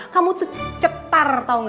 kamu tuh cetar banget